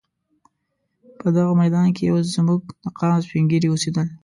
په دغه میدان کې اوس زموږ د قام سپین ږیري اوسېدل.